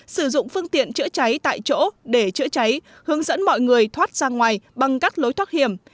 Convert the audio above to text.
sử dụng phương tiện chữa cháy tại chỗ để chữa cháy hướng dẫn mọi người thoát ra ngoài bằng các lối thoát hiểm